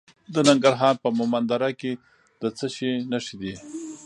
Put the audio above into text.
د ننګرهار په مومند دره کې د څه شي نښې دي؟